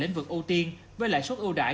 lĩnh vực ưu tiên với lãi suất ưu đại